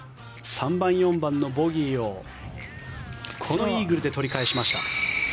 ３番、４番のボギーをこのイーグルで取り返しました。